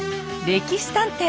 「歴史探偵」。